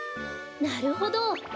なるほど！